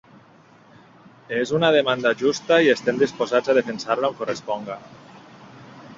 “És una demanda justa i estem disposats a defensar-la on corresponga”.